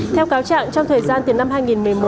theo cáo trạng trong thời gian từ năm hai nghìn một mươi một